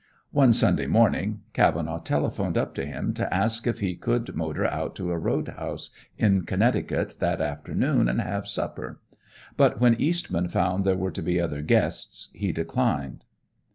One Sunday morning Cavenaugh telephoned up to him to ask if he could motor out to a roadhouse in Connecticut that afternoon and have supper; but when Eastman found there were to be other guests he declined.